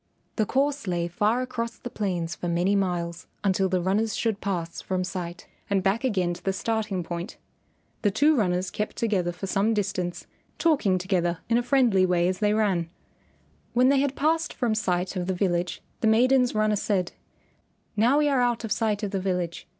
The course lay far across the plains for many miles until the runners should pass from sight, and back again to the starting point. The two runners kept together for some distance, talking together in a friendly way as they ran. When they had passed from sight of the village the maiden's runner said, "Now we are out of sight of the village.